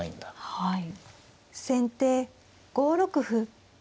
はい。